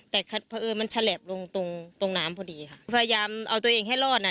แต่เพราะเอิญมันฉลบลงตรงตรงน้ำพอดีค่ะพยายามเอาตัวเองให้รอดน่ะ